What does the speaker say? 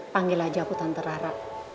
panggil aja aku tante rara